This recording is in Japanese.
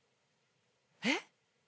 えっ？